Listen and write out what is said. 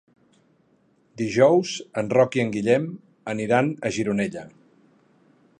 Dijous en Roc i en Guillem aniran a Gironella.